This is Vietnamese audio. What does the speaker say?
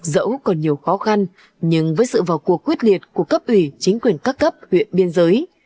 dẫu còn nhiều khó khăn nhưng với sự vào cuộc quyết liệt của cấp ủy chính quyền các cấp huyện biên giới